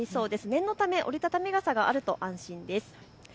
念のため折り畳み傘があると安心です。